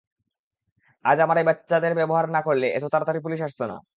আজ, আমি এই বাচ্চাদের ব্যবহার না করলে, এত তাড়াতাড়ি পুলিশ আসতো না।